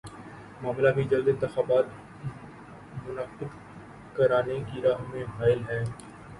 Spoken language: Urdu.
معاملہ بھی جلد انتخابات منعقد کرانے کی راہ میں حائل ہے